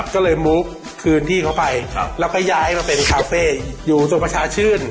ก็เลยมุกคืนที่เขาไปแล้วก็ย้ายมาเป็นคาเฟ่อยู่ตรงประชาชื่น